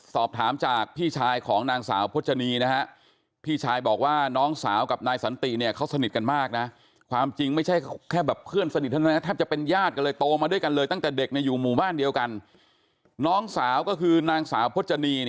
สอบถามจากพี่ชายของนางสาวพจนี